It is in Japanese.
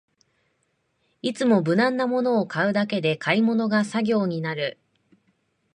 いつも無難なものを買うだけで買い物が作業になる